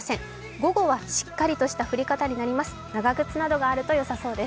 午後はしっかりとした降り方になります。